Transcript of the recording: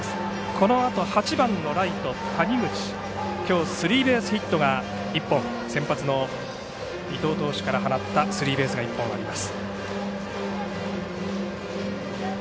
このあと８番のライト谷口きょうスリーベースヒットが１本先発の伊藤投手から放ったスリーベースがあります。